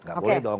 tidak boleh dong